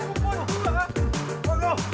udah mulus belum